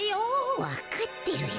わかってるよ。